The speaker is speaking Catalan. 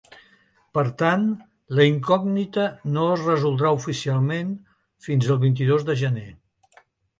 Per tant, la incògnita no es resoldrà oficialment fins el vint-i-dos de gener.